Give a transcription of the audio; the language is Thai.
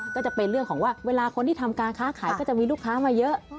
ก็จะเป็นเรื่องของว่าเวลาคนที่ทำการค้าขายก็จะมีลูกค้ามาเยอะ